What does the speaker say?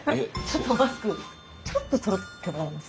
ちょっとマスクちょっと取ってもらえます？